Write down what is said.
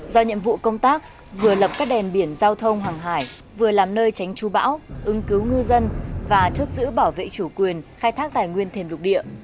do nhiệm vụ công tác vừa lập các đèn biển giao thông hàng hải vừa làm nơi tránh chú bão ứng cứu ngư dân và chốt giữ bảo vệ chủ quyền khai thác tài nguyên thêm lục địa